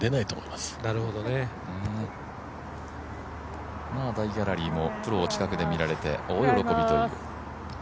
でも、大ギャラリーもプロを近くで見られて、大喜びという。